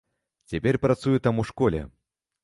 Цяпер працуе там у школе.